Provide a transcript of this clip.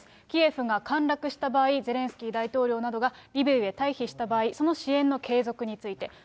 キエフが陥落した場合、ゼレンスキー大統領などが、リベウへ退避した場合、その支援の継続について。